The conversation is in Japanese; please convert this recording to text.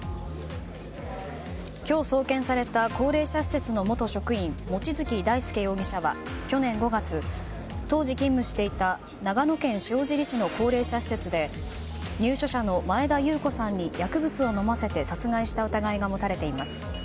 今日、送検された高齢者施設の元職員望月大輔容疑者は去年５月当時勤務していた長野県塩尻市の高齢者施設で入所者の前田裕子さんに薬物を飲ませて殺害した疑いが持たれています。